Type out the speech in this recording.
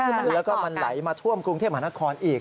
คือมันแล้วก็มันไหลมาท่วมกรุงเทพมหานครอีก